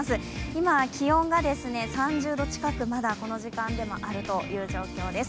今、気温が３０度近く、まだこの時間でもあるという状況です。